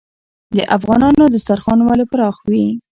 د افغانانو دسترخان ولې پراخ وي؟